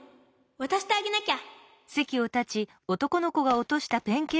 わたしてあげなきゃ！